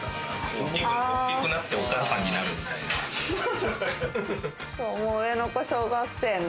大きくなってお母さんになるみたいな。